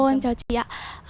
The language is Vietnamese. xin chào chị ạ